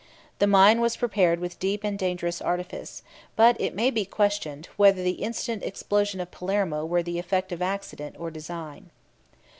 The mine was prepared with deep and dangerous artifice; but it may be questioned, whether the instant explosion of Palermo were the effect of accident or design.